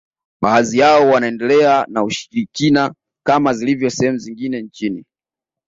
Baadhi yao wanaendelea na ushirikina kama zilivyo sehemu nyingine nchini